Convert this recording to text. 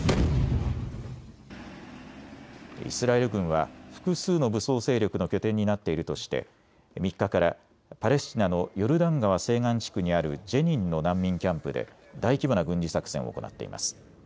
イスラエル軍は複数の武装勢力の拠点になっているとして３日からパレスチナのヨルダン川西岸地区にあるジェニンの難民キャンプで大規模な軍事作戦を行っています。